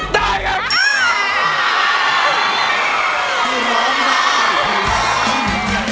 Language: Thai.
ได้ไข่ล้าง